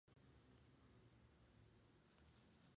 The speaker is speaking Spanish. La fiesta local es el segundo domingo de agosto.